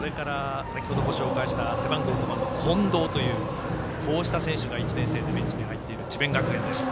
それから、先ほどご紹介した近藤という、こうした１年生がベンチに入っている智弁学園です。